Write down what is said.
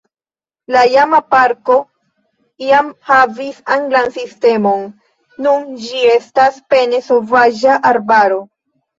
La iama parko iam havis anglan sistemon, nun ĝi estas pene sovaĝa arbaro.